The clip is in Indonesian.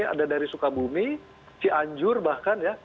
ada dari sukabumi cianjur bahkan ya